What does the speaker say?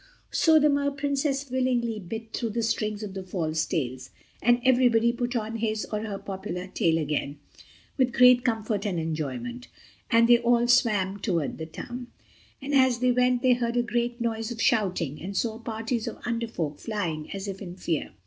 So the Mer Princess willingly bit through the strings of the false tails—and everybody put on his or her proper tail again, with great comfort and enjoyment—and they all swam toward the town. And as they went they heard a great noise of shouting, and saw parties of Under Folk flying as if in fear.